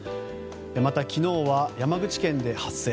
また昨日は山口県で発生。